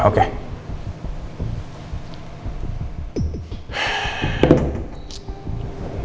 maka kita harus mencari